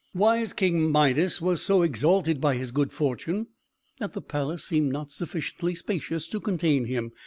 Wise King Midas was so exalted by his good fortune, that the palace seemed not sufficiently spacious to contain him.